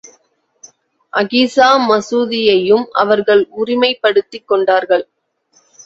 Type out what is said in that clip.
அகிஸா மசூதியையும் அவர்கள் உரிமைப் படுத்திக் கொண்டார்கள்.